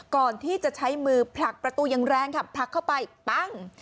ก่อนที่จะใช้มือผลักประตูอย่างแรงค่ะผลักเข้าไปปั้ง